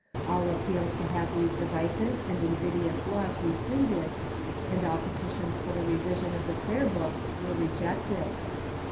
All appeals to have these divisive and invidious laws rescinded, and all petitions for the revision of the Prayer Book, were rejected.